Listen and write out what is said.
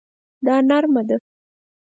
دا نرمه ده